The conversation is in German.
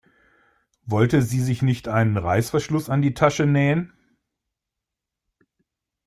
Wollte sie sich nicht einen Reißverschluss an die Tasche nähen?